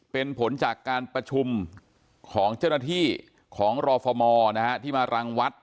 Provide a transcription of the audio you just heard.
เป็นผลจากการประชุมของเจ้าหน้าที่ของรฟมที่มารังวัด